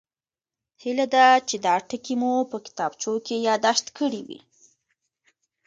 هیله ده چې دا ټکي مو په کتابچو کې یادداشت کړي وي